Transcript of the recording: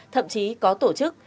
thậm chí có tổ chức